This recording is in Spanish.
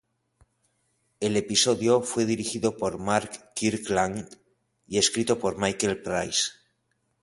El episodio fue dirigido por Mark Kirkland y escrito por Michael Price.